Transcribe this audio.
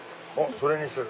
それにする。